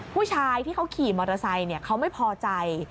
ผู้ชายที่เขาขี่มอเตอร์ไซค์เขาไม่พอใจ